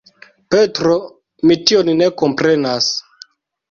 Petro, mi tion ne komprenas!